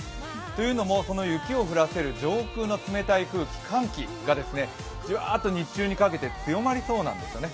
というのも雪を降らせる上空の冷たい空気、寒気がじわーっと日中にかけて強まりそうなんですね。